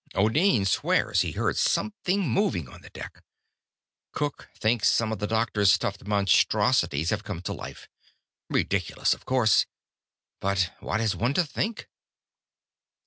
O'Deen swears he heard something moving on the deck. Cook thinks some of the doctor's stuffed monstrosities have come to life. Ridiculous, of course. But what is one to think?"